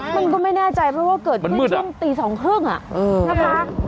มันก็ไม่แน่ใจเพราะว่าเกิดเพื่อนชิงตีสองครึ่งอ่ะมันมืดอ่ะเออนะคะ